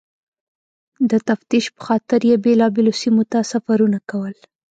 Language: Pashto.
د تفتیش پخاطر یې بېلابېلو سیمو ته سفرونه کول.